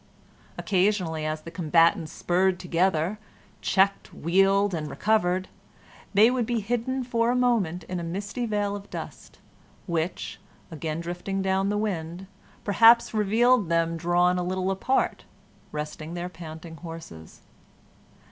Occasionally, as the combatants spurred together, checked, wheeled, and recovered, they would be hidden for a moment in a misty veil of dust, which, again drifting down the wind, perhaps revealed them drawn a little apart, resting their panting horses.